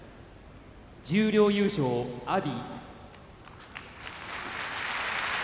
十両優勝、阿炎。